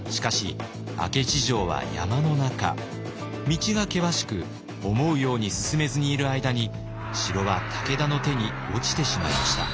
道が険しく思うように進めずにいる間に城は武田の手に落ちてしまいました。